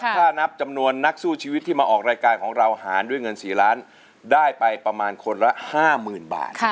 ถ้านับจำนวนนักสู้ชีวิตที่มาออกรายการของเราหารด้วยเงิน๔ล้านได้ไปประมาณคนละ๕๐๐๐บาท